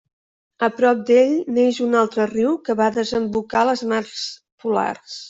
A prop d'ell neix un altre riu que va a desembocar a les mars polars.